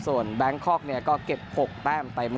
ส่วนแบงคอกก็เก็บ๖แต้มเต็ม